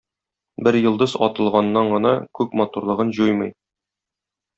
Бер йолдыз атылганнан гына күк матурлыгын җуймый.